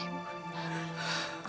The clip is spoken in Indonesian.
mbak dia itu kakaknya